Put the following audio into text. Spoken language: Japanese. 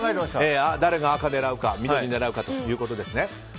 誰が赤狙うか緑狙うかということですね